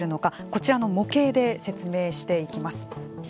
こちらの模型で説明していきます。